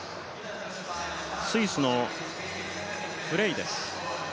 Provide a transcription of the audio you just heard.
スイスのフレイです。